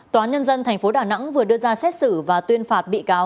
tòa nhân dân tp đà nẵng vừa đưa ra xét xử và tuyên phạt bị cáo